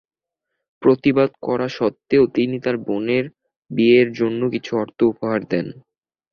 প্রতিবাদ করা সত্ত্বেও তিনি তার বোনের বিয়ের জন্য কিছু অর্থ উপহার দেন।